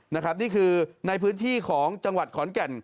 นี่คือในพื้นที่ของจังหวัดขอนแก่น